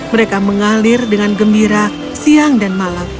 mereka mengalir dengan gembira siang dan malam